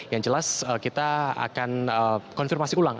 yang jelas kita akan konfirmasi ulang